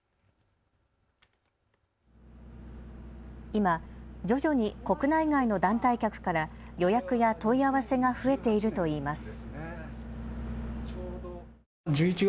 今、徐々に国内外の団体客から予約や問い合わせが増えているといいます。